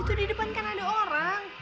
itu di depan kan ada orang